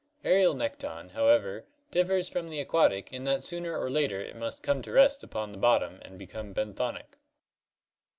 Aerial nekton, however, differs from the aquatic in that sooner or later it must come to rest upon the bottom and become benthonic.